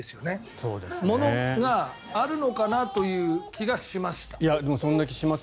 そういうものがあるのかなという気がします。